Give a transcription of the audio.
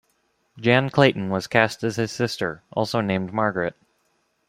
Jan Clayton was cast as his sister, also named Margaret.